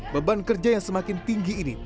beban kerja yang semakin tinggi ini